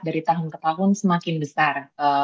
dari tahun ke tahun semakin besar